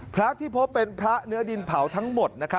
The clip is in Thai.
พระที่พบเป็นพระเนื้อดินเผาทั้งหมด